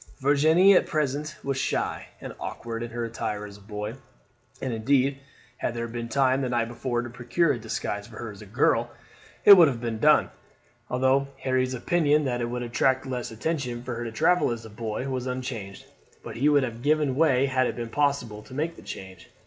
Virginie at present was shy and awkward in her attire as a boy, and indeed had there been time the night before to procure a disguise for her as a girl it would have been done, although Harry's opinion that it would attract less attention for her to travel as a boy was unchanged; but he would have given way had it been possible to make the change.